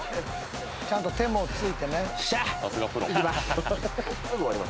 「ちゃんと手もついてね」いきます。